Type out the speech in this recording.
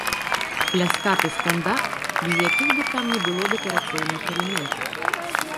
Пляскаты стандарт, без якіх бы там ні было дэкарацыйных элементаў.